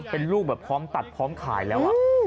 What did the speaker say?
เป็นลูกแบบพร้อมตัดพร้อมขายแล้ว